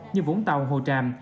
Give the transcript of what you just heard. như vũng tàu hồ tràm